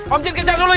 om jin kejar dulu ya